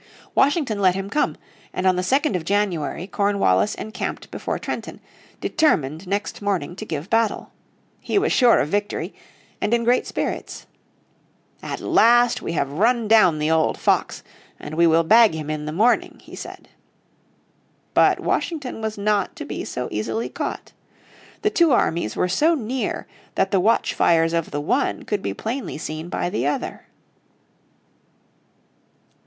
Washington let him come, and on the 2nd of January, Cornwallis encamped before Trenton, determined next morning to give battle. He was sure of victory, and in great spirits. "At last we have run down the old fox, and we will bag him in the morning," he said. But Washington was not to be so easily caught. The two armies were so near that the watchfires of the one could be plainly seen by the other.